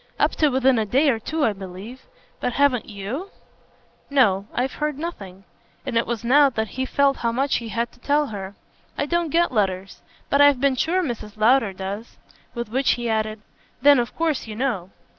"Up to within a day or two I believe. But haven't YOU?" "No I've heard nothing." And it was now that he felt how much he had to tell her. "I don't get letters. But I've been sure Mrs. Lowder does." With which he added: "Then of course you know."